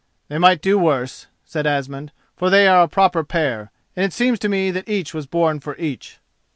"They might do worse," said Asmund, "for they are a proper pair, and it seems to me that each was born for each."